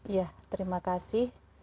ya terima kasih